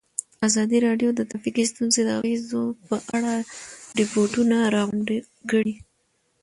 ازادي راډیو د ټرافیکي ستونزې د اغېزو په اړه ریپوټونه راغونډ کړي.